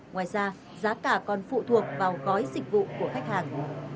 ngoài ra giá cả còn phụ thuộc vào gói dịch vụ của khách hàng